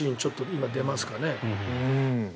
今、出ますかね。